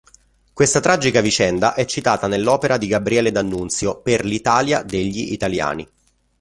Questa tragica vicenda è citata nell'opera di Gabriele D'Annunzio: “Per l'Italia degli Italiani”.